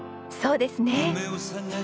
そうですね。